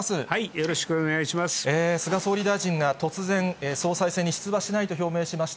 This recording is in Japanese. よろしくお願いします。